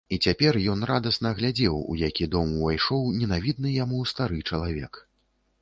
І цяпер ён радасна глядзеў, у які дом увайшоў ненавідны яму стары чалавек.